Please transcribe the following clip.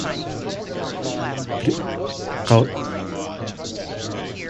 He began his minor league playing career with the Triple-A Memphis Redbirds.